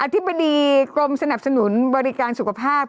ธิบดีกรมสนับสนุนบริการสุขภาพ